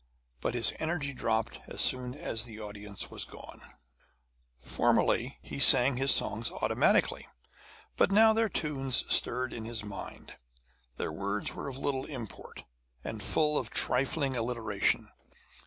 But his energy dropped as soon as the audience was gone. Formerly he sang his songs automatically, but now their tunes stirred in his mind. Their words were of little import, and full of trifling alliteration.